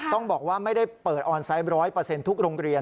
ต้องบอกว่าไม่ได้เปิดออนไซต์๑๐๐ทุกโรงเรียน